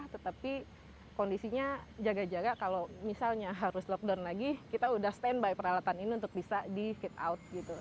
tetapi kondisinya jaga jaga kalau misalnya harus lockdown lagi kita udah standby peralatan ini untuk bisa di fit out gitu